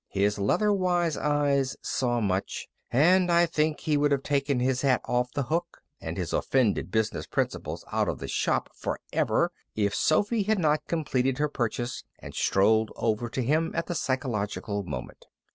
His leather wise eyes saw much, and I think he would have taken his hat off the hook, and his offended business principles out of the shop forever if Sophy had not completed her purchase and strolled over to him at the psychological moment.